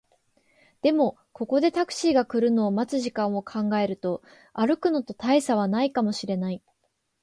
でも、ここでタクシーが来るのを待つ時間を考えると、歩くのと大差はないかもしれない